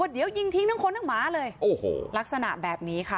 เดี๋ยวยิงทิ้งทั้งคนทั้งหมาเลยโอ้โหลักษณะแบบนี้ค่ะ